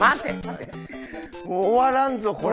終わらんぞこれ。